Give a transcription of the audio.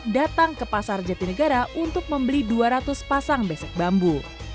datang ke pasar jatinegara untuk membeli dua ratus pasang besek bambu